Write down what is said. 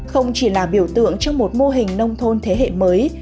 không chỉ là biểu tượng trong một mô hình nông thôn thế hệ mới